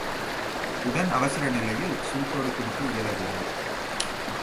உடன் அவசர நிலையில் சூட்டோடு குடிக்க இயலவில்லை.